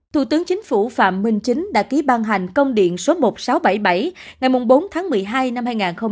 thủ tướng chính phủ phạm minh chính đã ký ban hành công điện số một nghìn sáu trăm bảy mươi bảy ngày bốn tháng một mươi hai năm hai nghìn một mươi ba